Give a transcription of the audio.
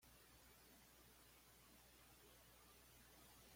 Tras estudiar en el St.